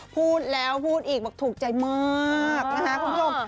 พูดแล้วพูดอีกบอกถูกใจมากนะคะคุณผู้ชม